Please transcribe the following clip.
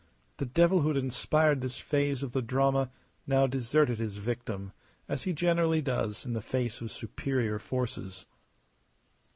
The devil who had inspired this phase of the drama now deserted his victim, as he generally does in the face of superior forces.